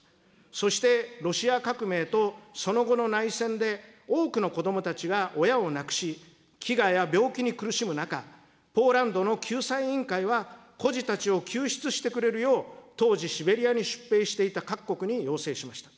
そしてロシア革命とその後の内戦で、多くの子どもたちが親を亡くし、飢餓や病気に苦しむ中、ポーランドの救済委員会は、孤児たちを救出してくれるよう、当時、シベリアに出兵していた各国に要請しました。